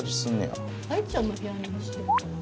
愛ちゃんの部屋に干してるのかな